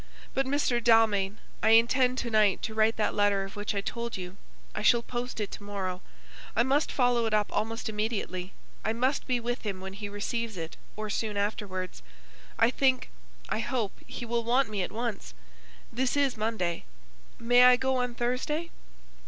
But, Mr. Dalmain, I intend to night to write that letter of which I told you. I shall post it to morrow. I must follow it up almost immediately. I must be with him when he receives it, or soon afterwards. I think I hope he will want me at once. This is Monday. May I go on Thursday?"